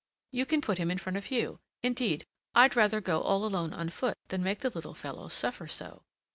You can put him up in front of you; indeed, I'd rather go all alone on foot than make the little fellow suffer so."